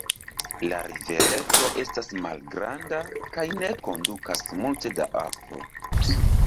La rivereto estas malgranda kaj ne kondukas multe da akvo.